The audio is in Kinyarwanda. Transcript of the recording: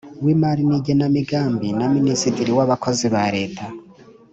w Imari n Igenamigambi na Minisitiri w Abakozi ba leta